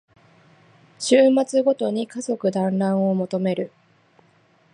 週末ごとに家族だんらんを求める